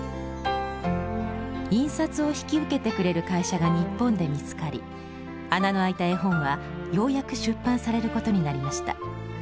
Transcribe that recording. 印刷を引き受けてくれる会社が日本で見つかり穴のあいた絵本はようやく出版されることになりました。